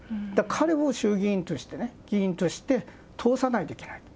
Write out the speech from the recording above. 彼を衆議院として、議員として通さないといけない。